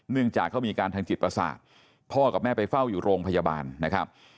เนื่องจากเขามีอาการทางจิตประสาทพ่อกับแม่ไปเฝ้าอยู่โรงพยาบาลนะครับ